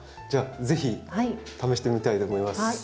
じゃあ是非試してみたいと思います。